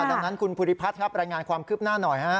ดังนั้นคุณภูริพัฒน์ครับรายงานความคืบหน้าหน่อยฮะ